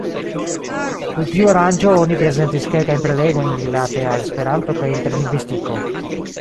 Dum tiu aranĝo oni prezentis kelkajn prelegojn rilate al Esperanto kaj interlingvistiko.